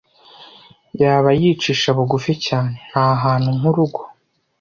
Yaba yicisha bugufi cyane, ntahantu nkurugo.